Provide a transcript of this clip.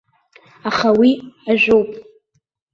Аха уи ажәоуп!